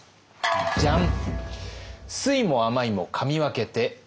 じゃん。